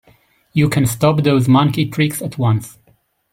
You can stop those monkey tricks at once!